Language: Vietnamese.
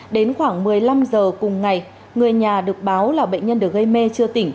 đến khoảng một mươi năm h cùng ngày người nhà được báo là bệnh nhân được gây mê chưa tỉnh